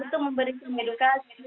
untuk memberikan edukasi